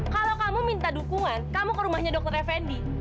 kalau kamu minta dukungan kamu ke rumahnya dr effendi